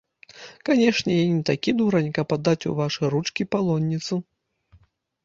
Канешне, я не такі дурань, каб аддаць у вашы ручкі палонніцу.